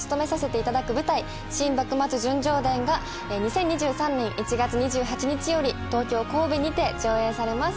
『新・幕末純情伝』が２０２３年１月２８日より東京神戸にて上演されます。